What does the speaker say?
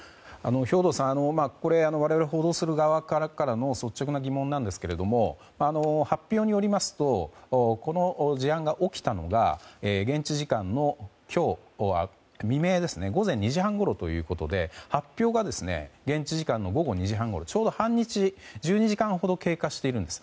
兵頭さん我々報道する側からの率直な疑問なんですが発表によりますとこの事案が起きたのが現地時間の午前２時半ごろということで発表が現地時間の午後２時半ごろちょうど半日、１２時間ほど経過しているんです。